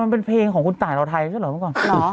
เป็นเพลงของคุณต่างเราไทยใช่ไหม